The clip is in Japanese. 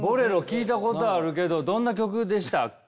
聴いたことあるけどどんな曲でしたっけ？